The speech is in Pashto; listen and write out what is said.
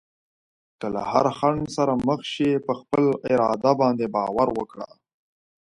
که له هر خنډ سره مخ شې، په خپل اراده باندې باور وکړه.